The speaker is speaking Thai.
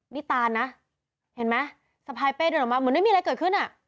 นี่ตานนะเห็นไหมสะพายเป้เดินออกมาเหมือนไม่มีอะไรเกิดขึ้นอ่ะ